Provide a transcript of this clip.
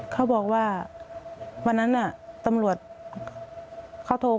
เขาบอกว่าวันนั้นตำรวจเขาโทร